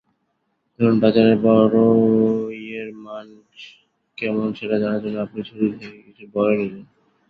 ধরুন বাজারের বড়ইয়ের মান কেমন সেটা জানার জন্য আপনি ঝুড়ি থেকে কিছু বড়ই নিলেন।